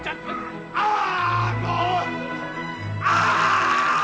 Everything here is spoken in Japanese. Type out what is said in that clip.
ああ！